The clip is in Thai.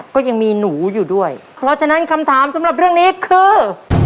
ก็ยังมีหนูอยู่ด้วยเพราะฉะนั้นคำถามสำหรับเรื่องนี้คือ